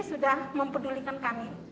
sudah mempedulikan kami